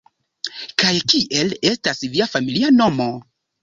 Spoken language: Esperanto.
Kaj kiel estas via familia nomo?